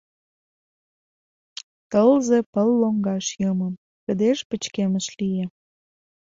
Тылзе пыл лоҥгаш йомо, кыдеж пычкемыш лие.